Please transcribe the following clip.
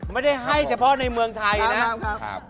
ไม่ได้ให้เฉพาะในเมืองไทยนะครับ